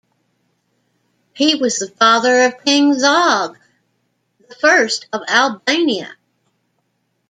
He was the father of King Zog I of Albania.